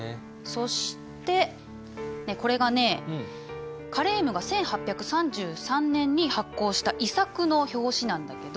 そしてこれがねカレームが１８３３年に発行した遺作の表紙なんだけど。